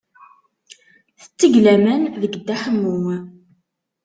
Tetteg laman deg Dda Ḥemmu.